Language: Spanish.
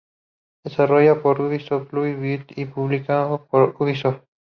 Desarrollado por Ubisoft Blue Byte y publicado por Ubisoft.